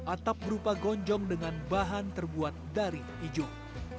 atap berupa gonjong dengan bahan terbuat dari ijuk